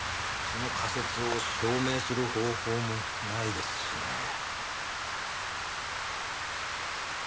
その仮説を証明する方法もないですしね。